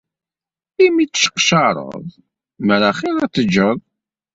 Imi tecceqcaṛed, mer axiṛ ad teǧǧeḍ.